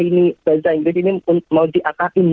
ini bahasa inggris ini mau diakalin